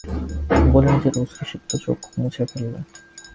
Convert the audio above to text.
বলে নিজের অশ্রুসিক্ত চোখ মুছে ফেললে।